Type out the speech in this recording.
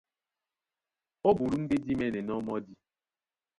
Ó bulú ndé dí mɛ́nɛnɔ́ mɔ́di.